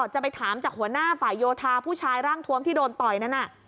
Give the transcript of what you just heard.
จะไปถามจากหัวหน้าฝ่ายโยธาผู้ชายร่างทวมที่โดนต่อยนั้นน่ะ